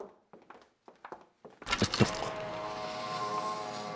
etuq